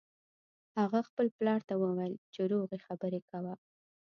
هغه خپل پلار ته وویل چې روغې خبرې کوه